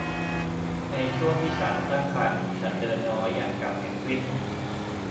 ในช่วงที่ฉันตั้งครรภ์ ฉันเดินน้อยอย่างกับเพนกวิน